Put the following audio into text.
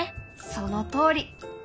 そのとおり！